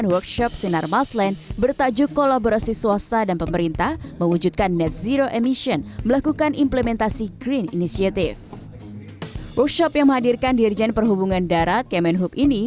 workshop sinarmas yang menghadirkan dirjen perhubungan darat kemenhub ini